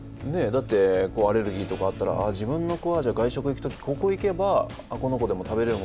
だってアレルギーとかあったら自分の子は外食行く時ここ行けばこの子でも食べれるものがある。